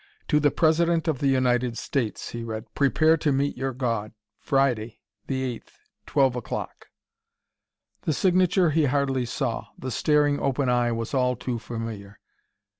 "To the President of the United States," he read. "Prepare to meet your God. Friday. The eighth. Twelve o'clock." The signature he hardly saw; the staring, open eye was all too familiar.